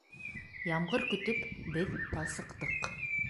Ямғыр көтөп беҙ талсыҡтыҡ.